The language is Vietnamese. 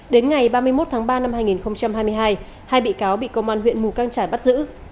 đến ngày ba mươi một tháng ba năm hai nghìn hai mươi hai hai bị cáo bị công an huyện mù căng trải bắt giữ